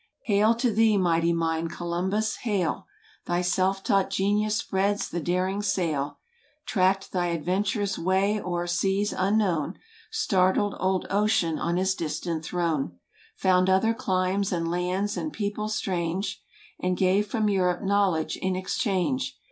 >* Hail to thee, mighty mind, Columbus, hail! Thy self taught genius spreads the daring sail; Track'd thy adventurous way o'er seas unknown $ Startled old Ocean on his distant throne 5 Found other climes, and lands, and people strange 5 And gave from Europe knowledge in exchange.